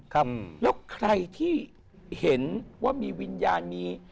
ใครที่เห็นว่ามีวิญญาณนี้